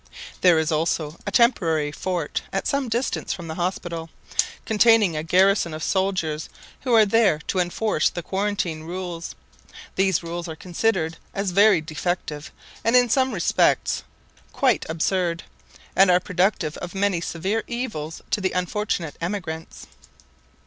There is also a temporary fort at some distance from the hospital, containing a garrison of soldiers, who are there to enforce the quarantine rules. These rules are considered as very defective, and in some respects quite absurd, and are productive of many severe evils to the unfortunate emigrants.